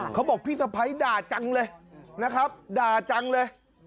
เขาบอกพี่สะพ้ายด่าจังเลยนะครับด่าจังเลย